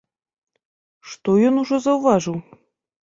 Што ён ужо заўважыў?